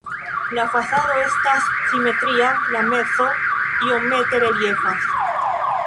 La fasado estas simetria, la mezo iomete reliefas.